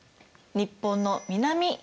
日本の南